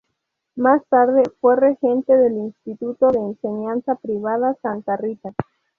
Más tarde fue regente del Instituto de Enseñanza Privada Santa Rita.